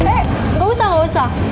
tapi gak usah gak usah